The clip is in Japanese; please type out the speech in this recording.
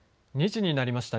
２時になりました。